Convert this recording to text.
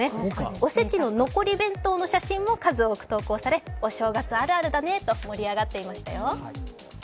おせちの残り弁当の写真も数多く投稿されお正月あるあるだねと、盛り上がっていましたよ。